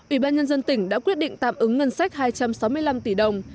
ủy ban nhân dân tỉnh đã quyết định tạm ứng ngân sách hai trăm sáu mươi năm tỷ đồng